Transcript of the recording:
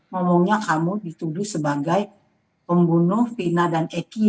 ngomongnya kamu dituduh sebagai pembunuh vina dan eki